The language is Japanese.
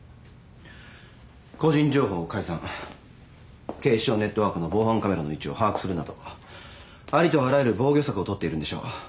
個人情報を改ざん警視庁ネットワークの防犯カメラの位置を把握するなどありとあらゆる防御策を取っているんでしょう。